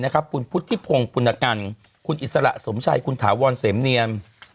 คุณพุทธิพงศ์ปุณกันคุณอิสระสมชัยคุณถาวรเสมเนียม